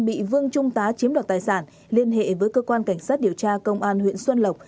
bị vương trung tá chiếm đoạt tài sản liên hệ với cơ quan cảnh sát điều tra công an huyện xuân lộc